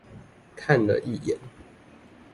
看了一眼